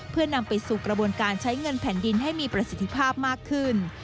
เพื่อนำไปสู่กระบวนการใช้เงินแผ่นดินให้มีประสิทธิภาพมากขึ้น